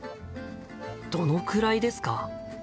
どのくらいですか？